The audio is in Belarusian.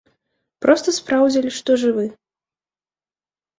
Проста спраўдзілі, што жывы.